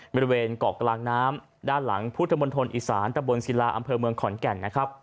บริเวณเกาะกลางน้ำด้านหลังพุทธมณฑลอีสานตะบนศิลาอำเภอเมืองขอนแก่นนะครับ